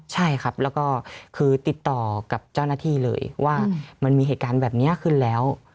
ใช่ครับแล้วก็คือติดต่อกับเจ้าหน้าที่เลยว่ามันมีเหตุการณ์แบบนี้ขึ้นแล้ว